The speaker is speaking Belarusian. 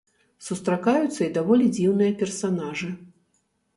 Сустракаюцца і даволі дзіўныя персанажы.